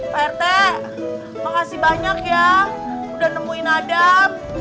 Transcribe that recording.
pak rt makasih banyak ya udah nemuin adab